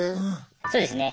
そうですね。